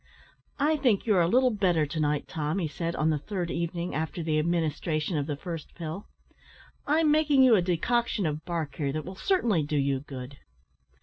"I think you're a little better to night, Tom," he said on the third evening after the administration of the first pill; "I'm making you a decoction of bark here that will certainly do you good."